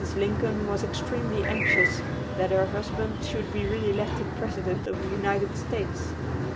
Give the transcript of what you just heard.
Lincoln was extremely anxious that her husband should be re elected President of the United States.